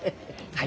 はい。